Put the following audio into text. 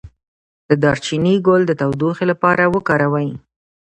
د دارچینی ګل د تودوخې لپاره وکاروئ